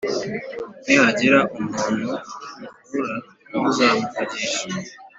Nihagira umuntu muhura ntuzamuvugishe